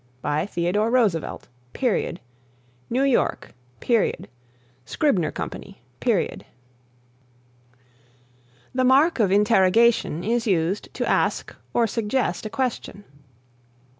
By Theodore Roosevelt. New York. Scribner Company. The Mark of Interrogation is used to ask or suggest a question.